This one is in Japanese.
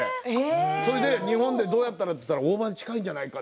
それで日本でどうやって？って言ったら大葉が近いんじゃないかって。